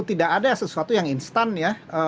tidak ada sesuatu yang instan ya